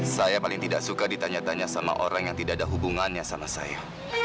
saya paling tidak suka ditanya tanya sama orang yang tidak ada hubungannya sama saya